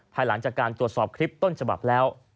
ภายหลังจากการตรวจสอบคลิปต้นฉบับแล้ว